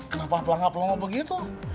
kenapa pelangga pelongo begitu